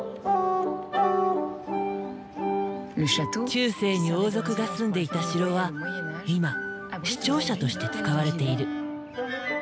中世に王族が住んでいた城は今市庁舎として使われている。